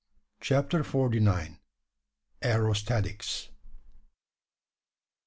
CHAPTER FORTY NINE. AEROSTATICS.